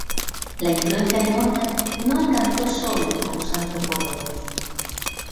La influencia de Morgan no alcanzó sólo a los antropólogos.